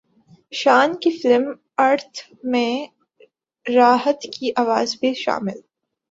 شان کی film Earth میں راحت کی اواز بھی شامل